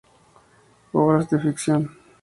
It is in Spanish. Obras de ficción